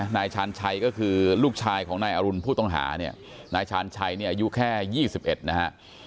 นายชาญชัยก็คือลูกชายของนายอรุณผู้ต้องหาเนี่ยนายชาญชัยเนี่ยอายุแค่๒๑นะฮะ